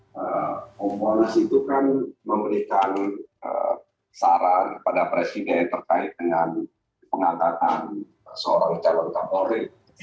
kompolnas itu kan memberikan saran kepada presiden terkait dengan pengantatan seorang calon polri